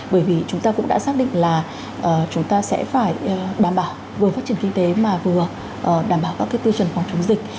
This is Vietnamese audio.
bởi vì chúng ta cũng đã xác định là chúng ta sẽ phải đảm bảo vừa phát triển kinh tế mà vừa đảm bảo các tiêu chuẩn phòng chống dịch